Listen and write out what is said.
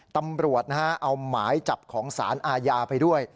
ตำรวจนะฮะเอาหมายจับของสารอาญาไปด้วย